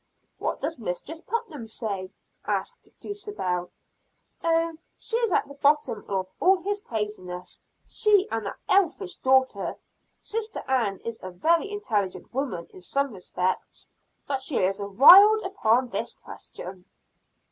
"What does Mistress Putnam say?" asked Dulcibel. "Oh, she is at the bottom of all his craziness, she and that elfish daughter. Sister Ann is a very intelligent woman in some respects, but she is wild upon this question."